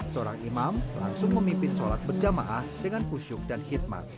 seorang imam langsung memimpin sholat berjamaah dengan kusyuk dan hikmat